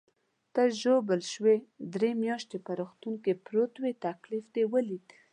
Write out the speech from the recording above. ته ژوبل شوې، درې میاشتې په روغتون کې پروت وې، تکلیف دې ولید.